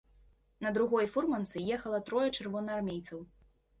На другой фурманцы ехала трое чырвонаармейцаў.